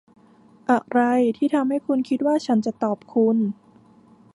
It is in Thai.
อะไรที่ทำให้คุณคิดว่าฉันจะตอบคุณ